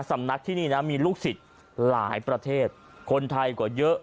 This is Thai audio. สำนักที่นี่นะมีลูกศิษย์หลายประเทศคนไทยกว่าเยอะ